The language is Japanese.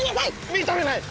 認めない！